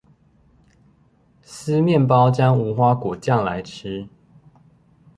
撕麵包沾無花果醬來吃